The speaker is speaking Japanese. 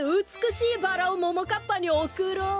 バラをももかっぱにおくろう。